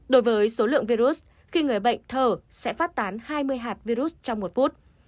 đối với số lượng virus khi người bệnh thở sẽ phát tán hai mươi hạt virus trong một phút